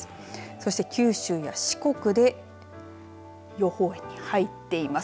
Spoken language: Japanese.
そして九州や四国で予報円に入っています。